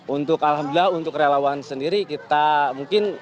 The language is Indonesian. untuk alhamdulillah untuk relawan sendiri kita mungkin